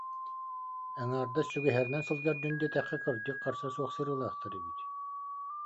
Аҥаардас сүгэһэринэн сылдьар дьон диэтэххэ, кырдьык, харса суох сырыылаахтар эбит